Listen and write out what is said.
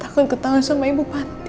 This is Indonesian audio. aku ketahuan sama ibu panti